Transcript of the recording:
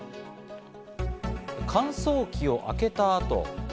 乾燥機を開けたあと。